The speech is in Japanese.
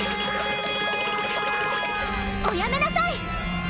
おやめなさい！